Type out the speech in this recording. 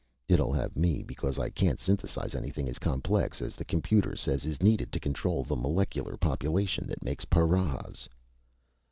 "It'll have me. Because I can't synthesize anything as complex as the computer says is needed to control the molecular population that makes paras!"